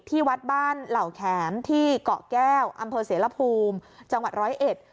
ที่วัดบ้านเหล่าแข็มที่เกาะแก้วอำเภอเสรภูมิจังหวัดร้อยเอ็ด